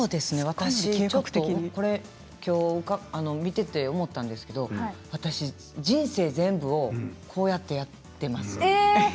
私ちょっと見ていて思ったんですけど人生全部をこのようにやってます。